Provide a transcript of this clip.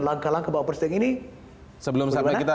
langkah langkah bahwa persidangan ini